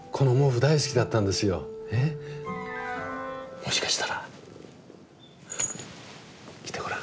もしかしたら来てごらん。